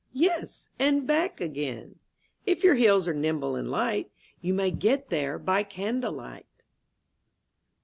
Yes, and back again ! If your heels are nimble and light, You may get there by candle light.